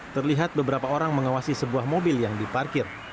terlihat beberapa orang mengawasi sebuah mobil yang diparkir